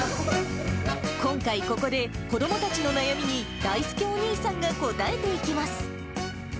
今回、ここで子どもたちの悩みにだいすけお兄さんが答えていきます。